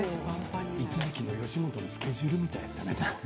一時期の吉本のスケジュールみたいだね